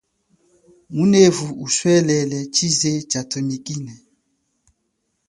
Ngunevu uswelele chize cha tumikine.